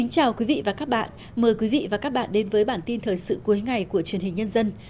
chào mừng quý vị đến với bản tin thời sự cuối ngày của truyền hình nhân dân